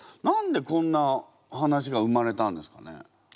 何でこんな話が生まれたんですかね？